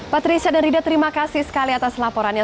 patricia dan rida terima kasih sekali atas laporannya